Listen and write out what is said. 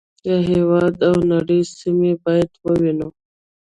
د هېواد او نړۍ سیمې باید ووینو.